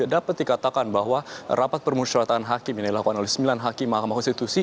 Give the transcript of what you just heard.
dapat dikatakan bahwa rapat permusyaratan hakim yang dilakukan oleh sembilan hakim mahkamah konstitusi